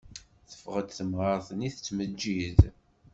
Teffeɣ-d temɣart-nni tettmeǧǧid.